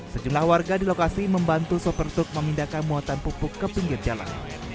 sejumlah warga di lokasi membantu sopir truk memindahkan muatan pupuk ke pinggir jalan